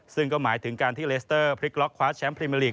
ซึ่งก็หมายถึงการที่เลสเตอร์พลิกล็อกคว้าแชมปรีเมอร์ลีก